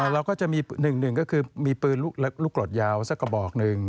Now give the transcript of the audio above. เราก็จะมี๑๑ก็คือมีปืนลูกกรดยาวสักกระบอกหนึ่ง